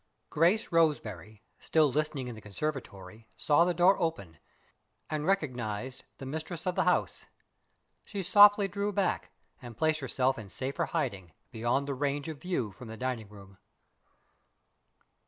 GRACE ROSEBERRY, still listening in the conservatory, saw the door open, and recognized the mistress of the house. She softly drew back, and placed herself in safer hiding, beyond the range of view from the dining room.